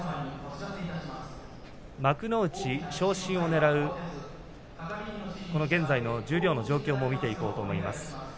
幕内昇進をねらう現在の十両の状況を見ていきます。